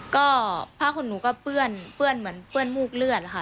ก็ผ้าของหนูก็เปื้อนเปื้อนเหมือนเปื้อนมูกเลือดค่ะ